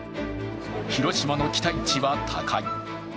広島の期待値は高い。